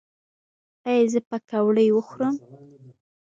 ایا زه پکوړې وخورم؟